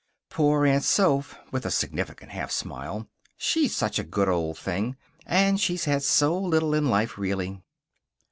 "Poor Aunt Soph," with a significant half smile. "She's such a good old thing. And she's had so little in life, really."